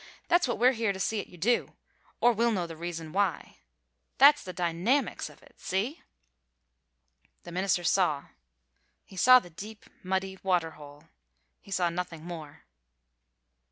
That's what we're here to see 't you do, or we'll know the reason why. That's the dynamics of it. See?" The minister saw. He saw the deep, muddy water hole. He saw nothing more.